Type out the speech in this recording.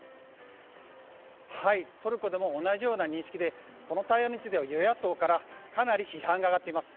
トルコでも同じような認識でこの対応については与野党からかなり批判が上がっています。